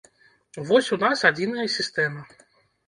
Вось у нас адзіная сістэма.